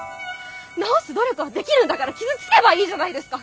治す努力はできるんだから傷つけばいいじゃないですか！